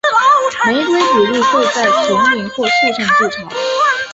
玫瑰琵鹭会在丛林或树上筑巢。